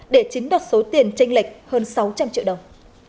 đánh lệch hơn sáu trăm linh triệu đồng